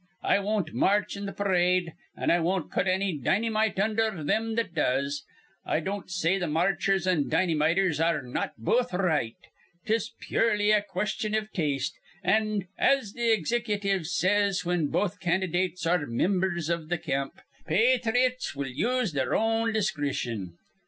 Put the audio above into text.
I won't march in th' parade, an' I won't put anny dinnymite undher thim that does. I don't say th' marchers an' dinnymiters ar re not both r right. 'Tis purely a question iv taste, an', as the ixicutive says whin both candydates are mimbers iv th' camp, 'Pathrites will use their own discreetion.'